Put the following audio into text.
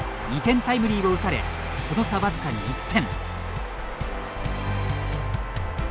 ２点タイムリーを打たれその差、わずかに１点。